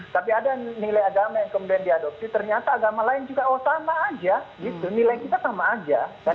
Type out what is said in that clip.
tapi ada nilai agama yang kemudian diadopsi ternyata agama lain juga oh sama aja gitu nilai kita sama aja